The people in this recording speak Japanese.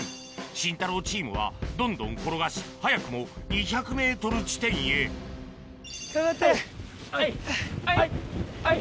シンタローチームはどんどん転がし早くも２００ｍ地点へはいはいはいはい！